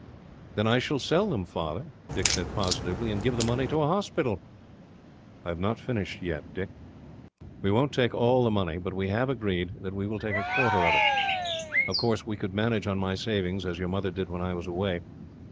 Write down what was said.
"Then I will sell them, Father," Dick said positively, "and give the money to a hospital!" "I have not finished yet, Dick. We won't take all the money, but we have agreed that we will take a quarter of it. Of course, we could manage on my savings, as your mother did when I was away.